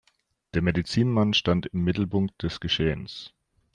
Der Medizinmann stand im Mittelpunkt des Geschehens.